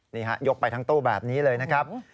ยกไปทั้งตู้แบบนี้เลยนะครับ